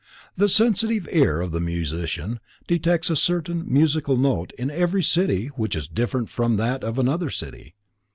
The sensitive ear of the musician detects a certain musical note in every city which is different from that of another city.